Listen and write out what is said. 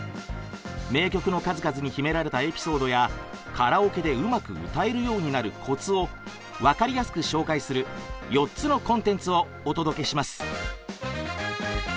名曲の数々に秘められたエピソードやカラオケでうまく歌えるようになるコツを分かりやすく紹介する４つのコンテンツをお届けします